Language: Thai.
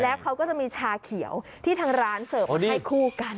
แล้วเขาก็จะมีชาเขียวที่ทางร้านเสิร์ฟให้คู่กัน